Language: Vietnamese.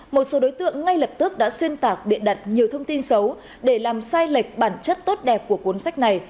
một số đối tượng ngay lập tức đã xuyên tạc biện đặt nhiều thông tin xấu để làm sai lệch bản chất tốt đẹp của cuốn sách này